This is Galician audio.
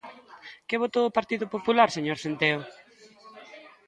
¿Que votou o Partido Popular, señor Centeo?